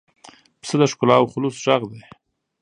پسه د ښکلا او خلوص غږ دی.